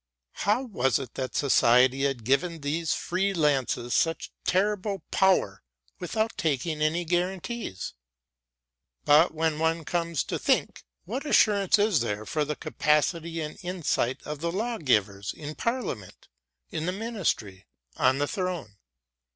How was it that society had given these free lances such terrible power without taking any guarantees? But when one comes to think, what assurance is there for the capacity and insight of the law givers in parliament, in the ministry, on the throne?